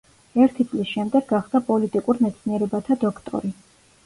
ერთი წლის შემდეგ გახდა პოლიტიკურ მეცნიერებათა დოქტორი.